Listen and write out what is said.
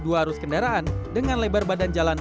dua arus kendaraan dengan lebar badan jalan